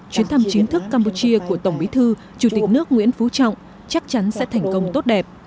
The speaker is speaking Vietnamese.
chuyến thăm chính thức campuchia của tổng bí thư chủ tịch nước nguyễn phú trọng chắc chắn sẽ thành công tốt đẹp